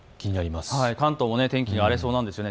関東も天気が荒れそうなんですよね。